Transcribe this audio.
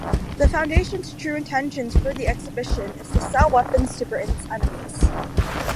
The Foundation's true intentions for the exhibition is to sell weapons to Britain's enemies.